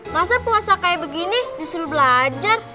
masa puasa kayak begini disuruh belajar